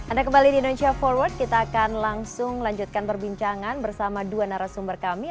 anda kembali di indonesia forward kita akan langsung lanjutkan perbincangan bersama dua narasumber kami